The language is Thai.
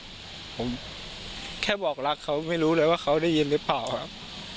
ผมแค่บอกรักเขาไม่รู้เลยว่าเขาได้ยินหรือเปล่าครับ